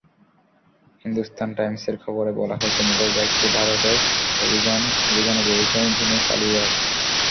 হিন্দুস্তান টাইমসের খবরে বলা হয়েছে, মোটরবাইকে ভারত অভিযানে বেরিয়েছিলেন ভিনু পালিওয়াল।